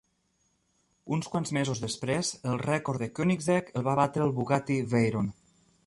Uns quants mesos després, el rècord de Koenigsegg el va batre el Bugatti Veyron.